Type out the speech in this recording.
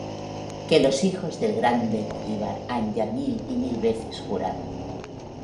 Que los hijos del grande Bolívar han ya mil y mil veces jurado: